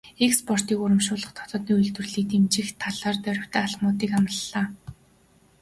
Экспортыг урамшуулах, дотоодын үйлдвэрлэлийг дэмжих талаар дорвитой алхмуудыг амлалаа.